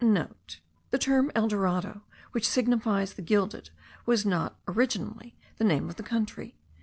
(* The term el dorado, which signifies the gilded, was not originally the name of the country.